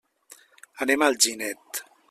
Anem a Alginet.